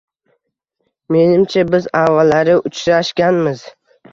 Menimcha, biz avvallari uchrashganmiz.